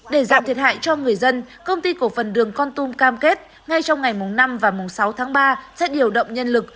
để giảm thiệt hại cho người dân công ty cổ phần đường con tum cam kết ngay trong ngày năm và sáu tháng ba sẽ điều động nhân lực